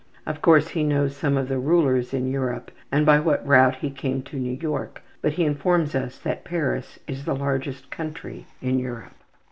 Of course, he knows some of the rulers in Europe and by what route he came to New York, but he informs us that Paris is the largest country in Europe.